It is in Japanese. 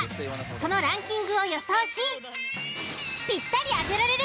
そのランキングを予想し。